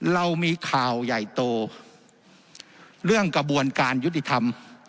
เรามีข่าวใหญ่โตเรื่องกระบวนการยุติธรรม